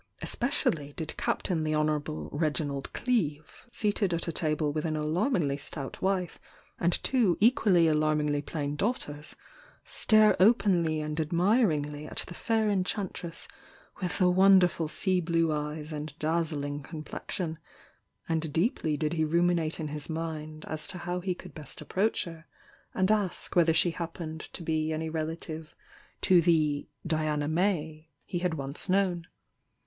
Especially did Captain the Honourable Reginald Cleeve, seated at a table with an alarmingly stout wife and two equally alarmingly plain daughters, stare openly and admiringly at the fair enchantress with the wonder ful aea blue eyes and dazzling complexion, and deep ly did he ruminate in his mind as to how he could best approach her, and ask whether she happened to be any relative to the "Diana May" he had once known.